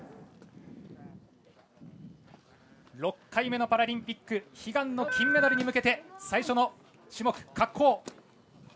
６回目のパラリンピック悲願の金メダルに向けて最初の種目、滑降。